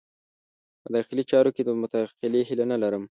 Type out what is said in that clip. په داخلي چارو کې د مداخلې هیله نه لرم.